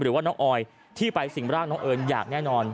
หรือว่าน้องออยที่ไปสิ่งร่างน้องเอิญอย่างแน่นอน